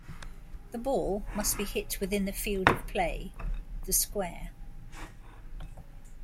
The ball must be hit within the field of play - the square.